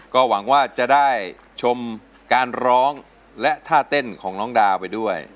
ก็หวังว่าจะได้ชมการร้องและท่าเต้นของน้องดาวไปด้วย